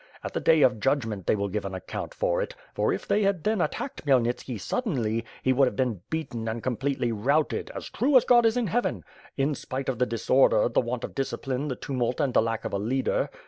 At the Day of Judgment, they will give an account of it; for, if they had then attacked Khmyel nitski suddenly, he would have been beaten and completely routed, as true as God is in Heaven; in spite of the disorder, the want of discipline, the tumult and the lack of a leader.